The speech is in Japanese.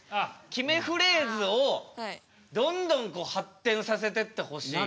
決めフレーズをどんどんこう発展させてってほしい。